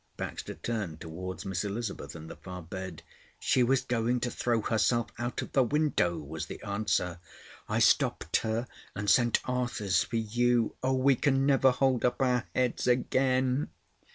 Baxter turned towards Miss Elizabeth in the far bed. "She was going to throw herself out of the window," was the answer. "I stopped her, and sent Arthurs for you. Oh, we can never hold up our heads again!"